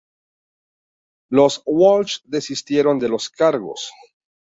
Los Walsh desistieron de los cargos.